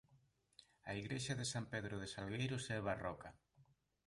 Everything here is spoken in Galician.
A igrexa de San Pedro de Salgueiros é barroca.